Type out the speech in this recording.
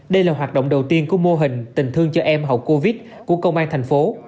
đây là hoạt động đầu tiên của mô hình tình thương cho em hậu covid của công an thành phố